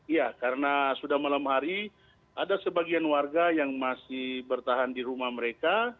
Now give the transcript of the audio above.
ya karena sudah malam hari ada sebagian warga yang masih bertahan di rumah mereka